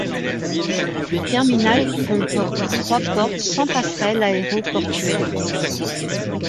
Le terminal comporte trois portes sans passerelles aéroportuaires.